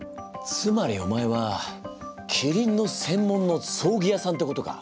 つまりお前はキリンの専門の葬儀屋さんってことか？